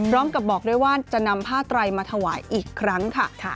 บอกด้วยว่าจะนำผ้าไตรมาถวายอีกครั้งค่ะ